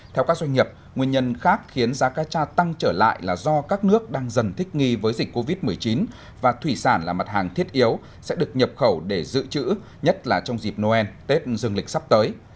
theo các doanh nghiệp nguyên nhân khác khiến giá cá cha tăng trở lại là do các nước đang dần thích nghi với dịch covid một mươi chín và thủy sản là mặt hàng thiết yếu sẽ được nhập khẩu để dự trữ nhất là trong dịp noel tết dừng lịch sắp tới